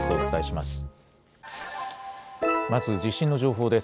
まず地震の情報です。